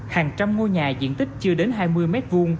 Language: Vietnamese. hàng trăm ngôi nhà diện tích chưa đến hai mươi m hai